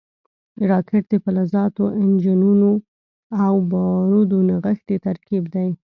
راکټ د فلزاتو، انجنونو او بارودو نغښتی ترکیب دی